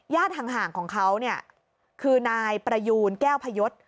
ญาติห่างของเขาคือนายประยูนแก้วพยศ